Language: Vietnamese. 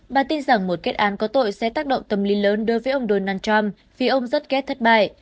bà tin rằng một kết án có tội sẽ tác động tâm lý lớn đối với ông donald trump vì ông rất ghét thất bại